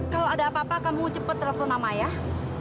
kalau ada apa apa kamu cepet telepon sama ayah